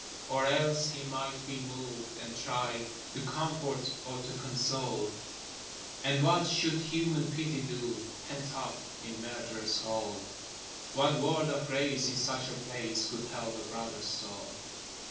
Or else he might be moved, and try To comfort or console: And what should Human Pity do Pent up in Murderers' Hole? What word of grace in such a place Could help a brother's soul?